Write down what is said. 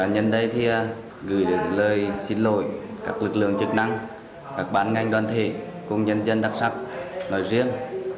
nhân đây thì gửi được lời xin lỗi các lực lượng chức năng các bán ngành đoàn thể công nhân dân đắc sắc nói riêng